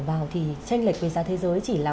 vào thì tranh lệch với giá thế giới chỉ là